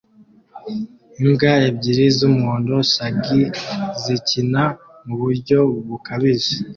Imbwa ebyiri z'umuhondo shaggy zikina muburyo bukabije